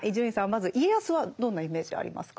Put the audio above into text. まず家康はどんなイメージありますか？